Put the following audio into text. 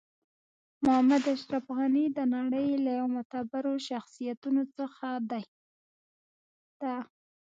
محمد اشرف غنی د نړۍ یو له معتبرو شخصیتونو څخه ده .